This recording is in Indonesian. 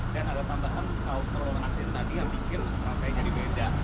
dan ada tambahan saus telur asin tadi yang bikin rasanya jadi beda